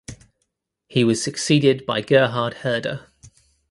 He was succeeded by Gerhard Herder.